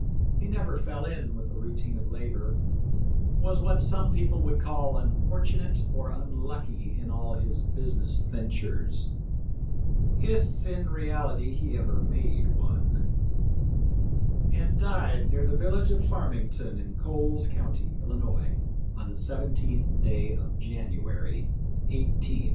He never fell in with the routine of labor ; was what some people would call unfortunate or unlucky in all his business ventures — if in reality he ever made one — and died near the village of Farmington in Coles county, Illinois, on the 17th day of January, 185 1.